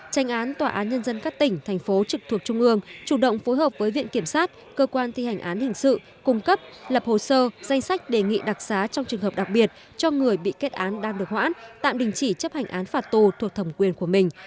tranh án tòa án nhân dân các tỉnh thành phố trực thuộc trung ương chủ động phối hợp với viện kiểm sát cơ quan thi hành án hình sự cung cấp lập hồ sơ danh sách đề nghị đặc xá trong trường hợp đặc biệt cho người bị kết án đang được hoãn tạm đình chỉ chấp hành án phạt tù thuộc thẩm quyền của mình